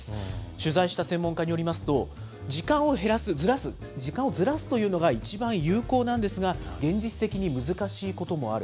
取材した専門家によりますと、時間を減らす、ずらす、時間をずらすというのがいちばん有効なんですが、現実的に難しいこともある。